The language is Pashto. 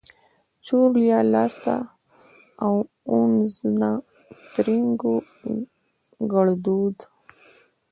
چوریا لاسته اونزنا؛ ترينو ګړدود